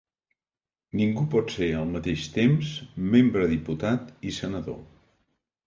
Ningú pot ser al mateix temps membre diputat i senador.